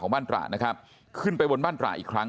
แล้วผมเป็นเพื่อนกับพระนกแต่ผมก็ไม่เคยช่วยเหลือเสียแป้ง